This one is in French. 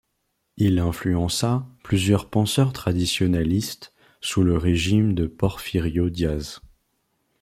Il influença plusieurs penseurs traditionalistes sous le régime de Porfirio Díaz.